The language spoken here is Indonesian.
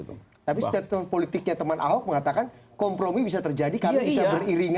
tapi statement politiknya teman ahok mengatakan kompromi bisa terjadi karena bisa beriringan